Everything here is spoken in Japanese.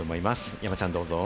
山ちゃん、どうぞ。